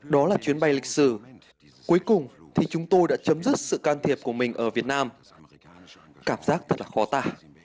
đó là chuyến bay lịch sử cuối cùng thì chúng tôi đã chấm dứt sự can thiệp của mình ở việt nam cảm giác thật là khó tả